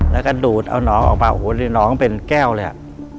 แล้วก็ดูดเอาน้องออกมาโอ้โหนี่น้องเป็นแก้วเลยอ่ะ